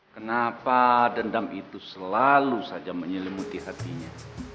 kenapa dendam itu selalu saja menyelimuti hatinya